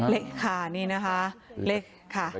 เลขค่ะนี่นะคะเล็กค่ะ